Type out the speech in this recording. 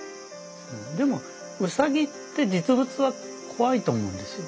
でもウサギって実物は怖いと思うんですよ。